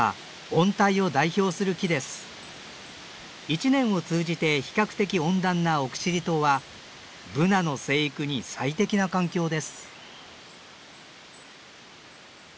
一年を通じて比較的温暖な奥尻島はブナの生育に最適な環境です。